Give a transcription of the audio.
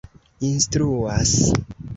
instruas